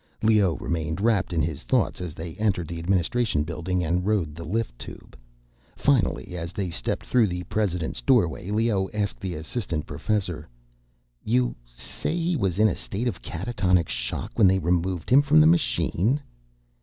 Leoh remained wrapped in his thoughts as they entered the administration building and rode the lift tube. Finally, as they stepped through the president's doorway, Leoh asked the assistant professor: "You say he was in a state of catatonic shock when they removed him from the machine?"